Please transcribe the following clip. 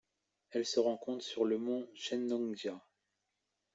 Elle se rencontre sur le mont Shennongjia.